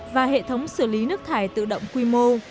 và hệ thống xử lý nước thải tự động quy mô